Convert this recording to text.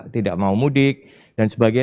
tidak mau mudik dan sebagainya